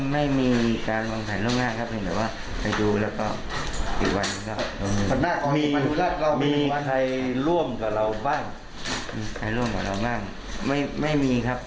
ไม่มีการวางแผลล่วงหน้าครับ